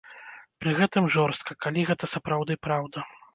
Пры гэтым жорстка, калі гэта сапраўды праўда.